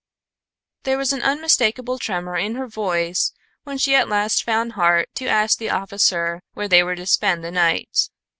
There was an unmistakable tremor in her voice when she at last found heart to ask the officer where they were to spend the night.